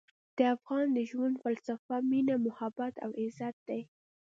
د افغان د ژوند فلسفه مینه، محبت او عزت دی.